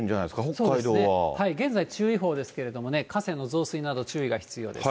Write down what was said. そうですね、現在注意報ですけれども、河川の増水など、注意が必要です。